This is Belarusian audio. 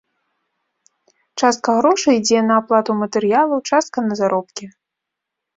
Частка грошай ідзе на аплату матэрыялаў, частка на заробкі.